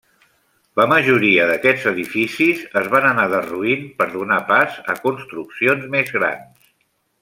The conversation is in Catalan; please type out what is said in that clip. La majoria d'aquests edificis es van anar derruint per donar pas a construccions més grans.